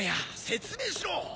説明しろ！